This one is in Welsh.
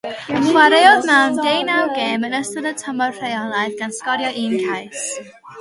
Chwaraeodd mewn deunaw gêm yn ystod y tymor rheolaidd, gan sgorio un cais.